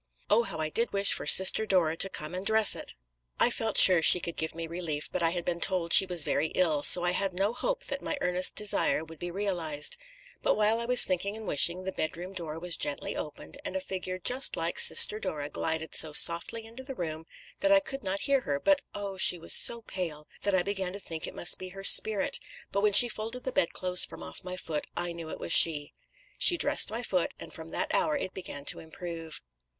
Oh, how I did wish for Sister Dora to come and dress it! I felt sure she could give me relief, but I had been told she was very ill, so I had no hope that my earnest desire would be realised; but while I was thinking and wishing, the bedroom door was gently opened, and a figure just like Sister Dora glided so softly into the room that I could not hear her, but oh! she was so pale that I began to think it must be her spirit but when she folded the bedclothes from off my foot, I knew it was she. She dressed my foot, and from that hour it began to improve.'